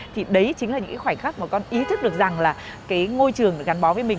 thì đấy chính là những cái khoảnh khắc mà con ý thức được rằng là cái ngôi trường gắn bó với mình